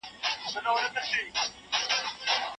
که خلکو خپل کثافات په سمه توګه نه غورځول، چاپیریال ککړېږي.